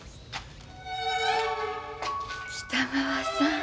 北川さん。